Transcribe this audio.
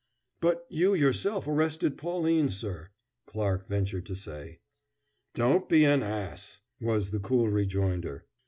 "But you yourself arrested Pauline, sir," Clarke ventured to say. "Don't be an ass!" was the cool rejoinder.